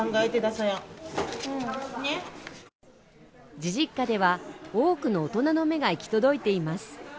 じじっかでは、多くの大人の目が行き届いています。